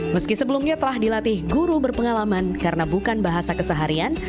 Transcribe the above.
meski sebelumnya telah dilatih guru berpengalaman karena bukan bahasa keseharian